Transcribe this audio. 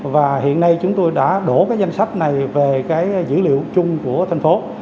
và hiện nay chúng tôi đã đổ danh sách này về dữ liệu chung của thành phố